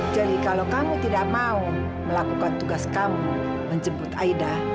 jadi kalau kamu tidak mau melakukan tugas kamu menjemput aida